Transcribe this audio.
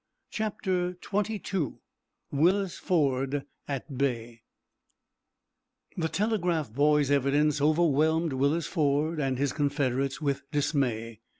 CHAPTER XXII WILLIS FORD AT BAY The telegraph boy's evidence overwhelmed Willis Ford and his confederates with dismay.